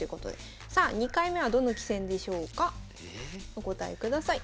お答えください。